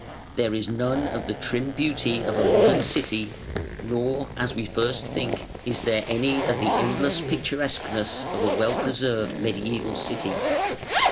There is none of the trim beauty of a modern city, nor, as we at first think, is there any of the endless picturesqueness of a well preserved mediæval city.